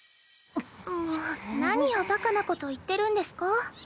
もう何をバカなこと言ってるんですか。